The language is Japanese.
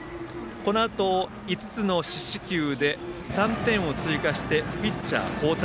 このあと、５つの四死球で３点を追加してピッチャー交代。